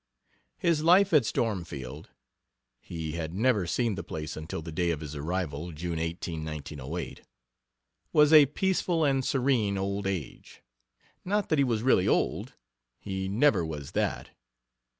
His life at Stormfield he had never seen the place until the day of his arrival, June 18, 1908 was a peaceful and serene old age. Not that he was really old; he never was that.